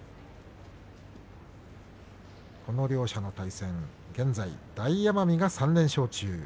この両者の対戦、現在大奄美が３連勝中。